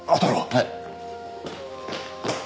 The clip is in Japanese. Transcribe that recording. はい。